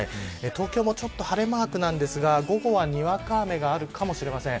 東京もちょっと晴れマークですが午後は、にわか雨があるかもしれません。